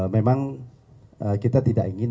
memang kita tidak ingin